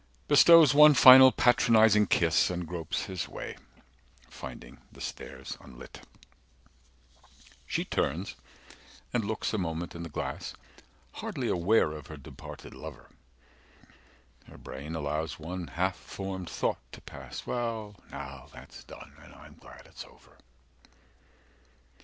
Bestows one final patronizing kiss, And gropes his way, finding the stairs unlit… She turns and looks a moment in the glass, Hardly aware of her departed lover; 250 Her brain allows one half formed thought to pass: "Well now that's done: and I'm glad it's over."